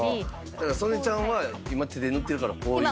だから曽根ちゃんは今手で塗ってるからこういう状態。